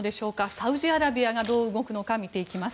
サウジアラビアがどう動くのか見ていきます。